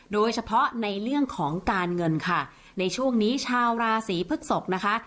โดยเฉพาะในเรื่องของการเงินค่ะในช่วงนี้ชาวราศีพฤกษกนะคะ